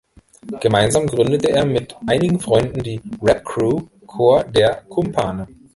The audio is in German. Gemeinsam gründete er mit einigen Freunden die Rapcrew „Chor der Kumpane“.